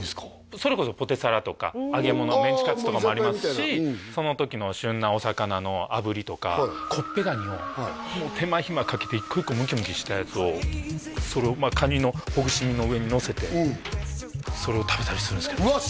それこそポテサラとか揚げ物メンチカツとかもありますしその時の旬なお魚のあぶりとかコッペ蟹をもう手間暇かけて一個一個むきむきしたやつをそれをまあカニのほぐし身の上にのせてそれを食べたりするんですけどうわ